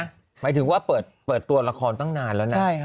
หมายถึงว่าเปิดตัวละครตั้งนานแล้วนะ